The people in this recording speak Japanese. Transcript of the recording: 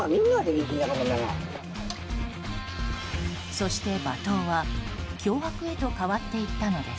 そして罵倒は脅迫へと変わっていったのです。